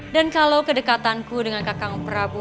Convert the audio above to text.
dan kalau kedekatanku dengan kakang prabu